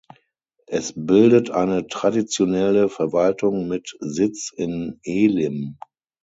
Es bildet eine Traditionelle Verwaltung mit Sitz in Elim.